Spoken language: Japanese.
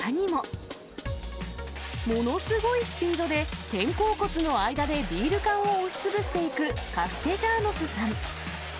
ものすごいスピードで、肩甲骨の間でビール缶を押しつぶしていくカステジャーノスさん。